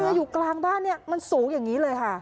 อยู่กลางบ้านเนี่ยมันสูงอย่างนี้เลยค่ะ